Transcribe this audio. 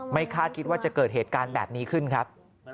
คาดคิดว่าจะเกิดเหตุการณ์แบบนี้ขึ้นครับ